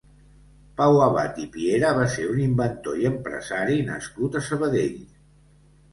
Pau Abad i Piera va ser un inventor i empresari nascut a Sabadell.